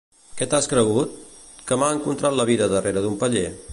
Què t'has cregut?, que m'ha encontrat la vida darrere d'un paller?